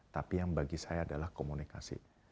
tapi yang bagi saya adalah komunikasi